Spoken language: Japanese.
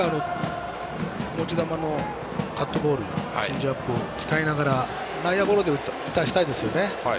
持ち球のカットボールチェンジアップ使いながら、内野ゴロで打たせたいですよね